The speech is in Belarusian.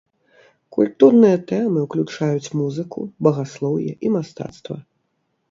Культурныя тэмы ўключаюць музыку, багаслоўе і мастацтва.